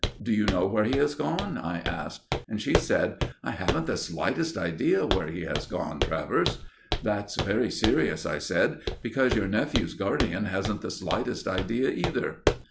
"Do you know where he has gone?" I asked. And she said: "I haven't the slightest idea where he has gone, Travers." "That's very serious," I said, "because your nephew's guardian hasn't the slightest idea, either."